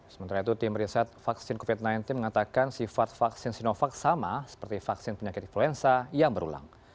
sementara itu tim riset vaksin covid sembilan belas mengatakan sifat vaksin sinovac sama seperti vaksin penyakit influenza yang berulang